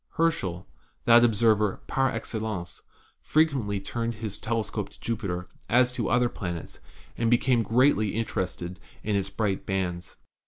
Herschel, that observer 'par excellence,' frequently turned his telescope to Jupiter as to other planets, and became greatly interested in its bright bands.